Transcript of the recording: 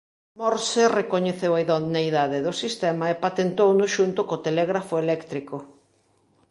Morse recoñeceu a idoneidade do sistema e patentouno xunto co telégrafo eléctrico.